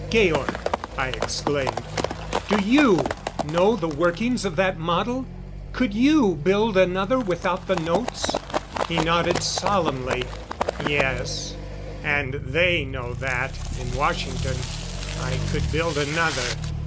"Georg," I exclaimed, "do you know the workings of that model? Could you build another without the notes?" He nodded solemnly. "Yes. And they know that, in Washington. I could build another.